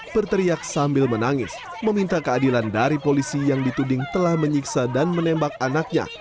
berteriak sambil menangis meminta keadilan dari polisi yang dituding telah menyiksa dan menembak anaknya